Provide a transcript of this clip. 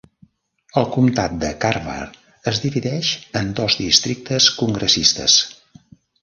El comtat de Carver es divideix en dos districtes congressistes.